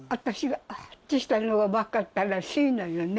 したのが分かったらしいのよね